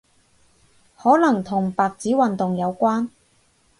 可能同白紙運動有關